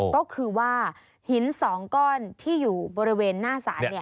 ก็คือว่าหินสองก้อนที่อยู่บริเวณหน้าสานเนี่ย